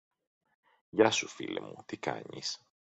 Γεια σου, φίλε μου, τι κάνεις;